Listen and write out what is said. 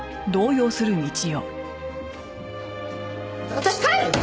私帰る！